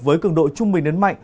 với cường độ trung bình đến mạnh